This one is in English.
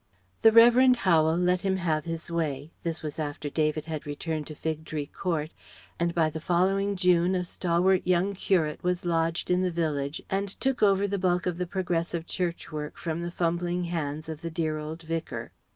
The Revd. Howel let him have his way (This was after David had returned to Fig Tree Court) and by the following June a stalwart young curate was lodged in the village and took over the bulk of the progressive church work from the fumbling hands of the dear old Vicar.